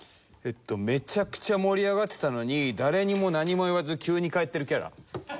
めちゃくちゃ盛り上がってたのに誰にも何も言わず急に帰ってるキャラ。